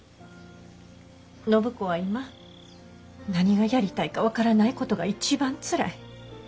暢子は今何がやりたいか分からないことが一番つらい。